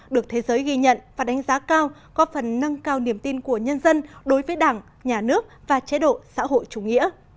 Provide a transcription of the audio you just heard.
được thế giới ghi nhận và đánh giá cao có phần nâng cao niềm tin của nhân dân đối với đảng nhà nước và chế độ xã hội chủ nghĩa